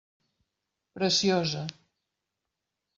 Preciosa.